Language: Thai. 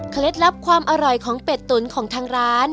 ลับความอร่อยของเป็ดตุ๋นของทางร้าน